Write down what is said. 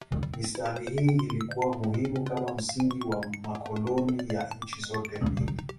Mistari hii ilikuwa muhimu kama msingi wa makoloni ya nchi zote mbili.